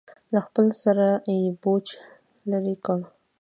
له خپل سره یې بوج لرې کړ.